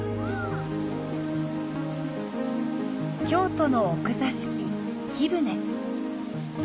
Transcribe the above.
京都の奥座敷貴船。